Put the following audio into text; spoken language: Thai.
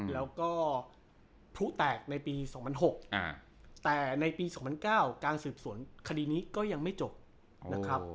แล้วก็พลุแตกในปี๒๐๐๖แต่ในปี๒๐๐๙การสืบสวนคดีนี้ก็ยังไม่จบนะครับ